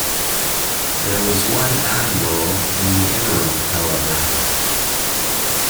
There was one admiral in the interim, however.